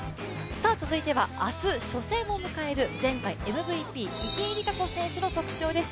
続いては明日初戦を迎える、前回ＭＶＰ池江璃花子選手の特集です。